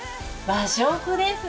和食ですね。